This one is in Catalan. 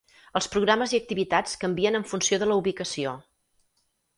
Els programes i activitats canvien en funció de la ubicació.